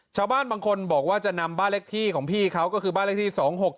ชาวบ้านบางคนบอกว่าจะนำบ้านเลขที่ของพี่เขาก็คือบ้านเลขที่๒๖๗